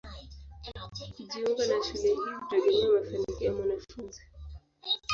Kujiunga na shule hii hutegemea mafanikio ya mwanafunzi.